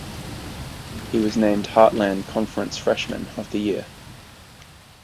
He was named Heartland Conference Freshman of the Year.